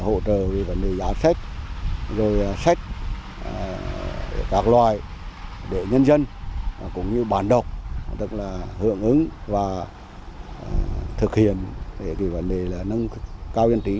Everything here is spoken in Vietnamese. hỗ trợ về vấn đề giá sách rồi sách các loài để nhân dân cũng như bản độc tức là hưởng ứng và thực hiện về vấn đề nâng cao nhân trí